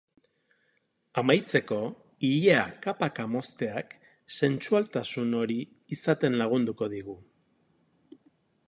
Amaitzeko, ilea kapaka mozteak sentsualtasun hori izaten lagunduko digu.